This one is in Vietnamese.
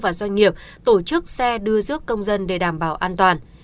và doanh nghiệp tổ chức xe đưa rước công dân để đảm bảo an toàn